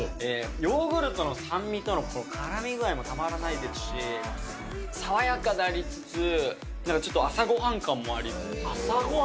ヨーグルトの酸味とのからみ具合もたまらないですし、爽やかでありつつ、朝ごはんもある？